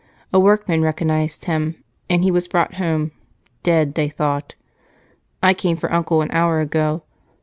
A workman recognized him and he was brought home, dead they thought. I came for Uncle an hour ago.